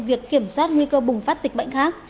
việc kiểm soát nguy cơ bùng phát dịch bệnh khác